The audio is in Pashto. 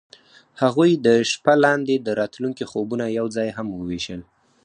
هغوی د شپه لاندې د راتلونکي خوبونه یوځای هم وویشل.